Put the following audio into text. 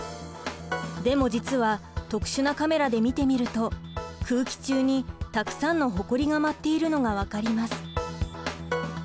でも実は特殊なカメラで見てみると空気中にたくさんのほこりが舞っているのが分かります。